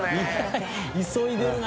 急いでるな。